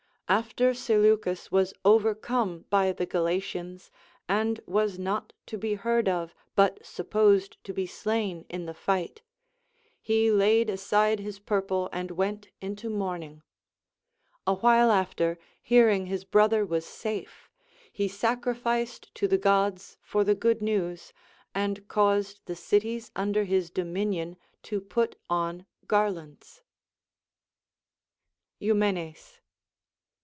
After Seleucus was overcome by the Galatians, and was not to be heard of, but supposed to be slain in the fight, he laid aside his purple and went into mourning. A while after, hearing his brother was safe, he sacrificed to the Gods for the good news, and caused the cities under his dominion to put on garlands. EuMENES.